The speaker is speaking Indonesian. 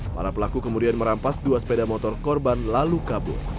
para pelaku kemudian merampas dua sepeda motor korban lalu kabur